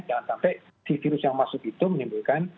jangan sampai si virus yang masuk itu menimbulkan